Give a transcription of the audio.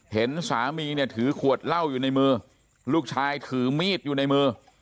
เห็นสามีเนี่ยถือขวดเหล้าอยู่ในมือลูกชายถือมีดอยู่ในมือ